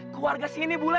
ke warga sini bule